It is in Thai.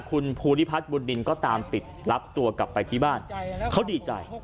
คุณภูริพัฒน์บุญดินก็ตามติดรับตัวกลับไปที่บ้านเขาดีใจ